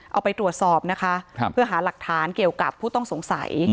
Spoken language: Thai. เอาไปตรวจสอบนะคะเพื่อหาหลักฐานเกี่ยวกับผู้ต้องสงสัย